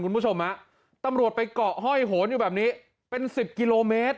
คุณผู้ชมฮะตำรวจไปเกาะห้อยโหนอยู่แบบนี้เป็นสิบกิโลเมตร